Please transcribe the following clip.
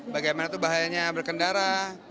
bagaimana tuh bahayanya berkendara